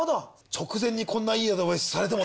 「直前にこんないいアドバイスされても」